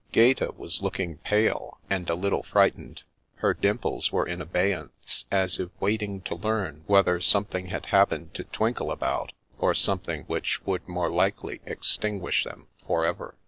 Gaeta was looking pale and a little frightened. Her dimples were in abeyance, as if waiting to learn whether something had happened to twinkle about, or something which would more likely extinguish them forever.